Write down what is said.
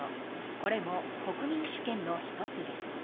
これも国民主権の１つです。